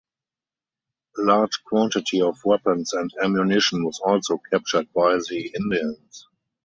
A large quantity of weapons and ammunition was also captured by the Indians.